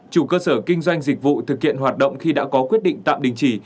một mươi ba chủ cơ sở kinh doanh dịch vụ thực hiện hoạt động khi đã có quyết định tạm đình chỉ